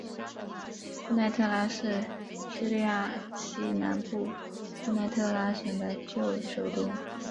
库奈特拉是叙利亚西南部库奈特拉省的旧首都。